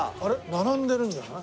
並んでるんじゃない？